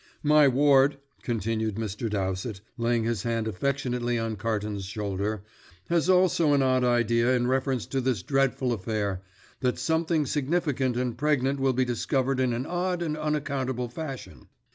"My ward," continued Mr. Dowsett, laying his hand affectionately on Carton's shoulder, "has also an odd idea in reference to this dreadful affair, that something significant and pregnant will be discovered in an odd and unaccountable fashion.